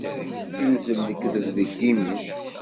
Yuzzel lekdeb deg yimi-s.